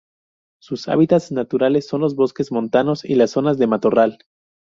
Sus hábitats naturales son los bosques montanos y las zonas de matorral.